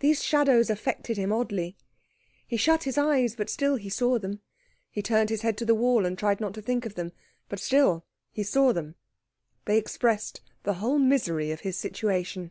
These shadows affected him oddly. He shut his eyes, but still he saw them; he turned his head to the wall and tried not to think of them, but still he saw them. They expressed the whole misery of his situation.